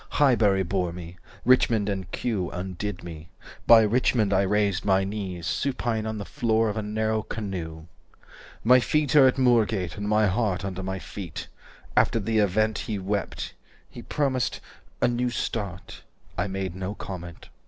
Highbury bore me. Richmond and Kew Undid me. By Richmond I raised my knees Supine on the floor of a narrow canoe." 295 "My feet are at Moorgate, and my heart Under my feet. After the event He wept. He promised 'a new start.' I made no comment.